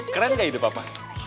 keren gak itu papa